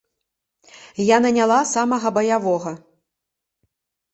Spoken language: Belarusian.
Я наняла самага баявога.